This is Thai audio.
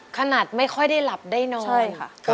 ขนาดไม่ค่อยได้หลับได้นอนใช่ค่ะ